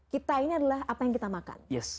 kita ini adalah apa yang kita makan